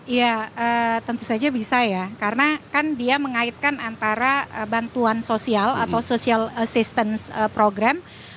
iya tentu saja bisa ya karena kan dia mengaitkan antara bantuan sosial atau social assistance program